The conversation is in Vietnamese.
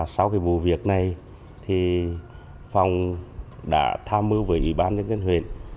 sau cái vụ việc này thì phòng đã tham mưu với ủy ban dân dân huyện